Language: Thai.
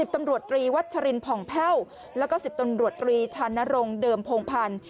ตำรวจตรีวัชรินผ่องแพ่วแล้วก็๑๐ตำรวจตรีชานรงค์เดิมพงพันธ์